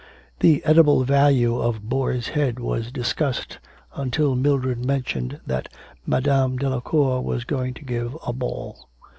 The edible value of boar's head was discussed, until Mildred mentioned that Madame Delacour was going to give a ball.